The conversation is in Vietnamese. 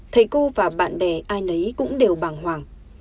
thầy cô và bạn bè ai nấy cũng đều bàng hoàng